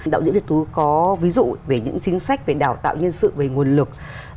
đạo diễn việt tú có ví dụ về những chính sách về đào tạo nhân sự về nguồn lực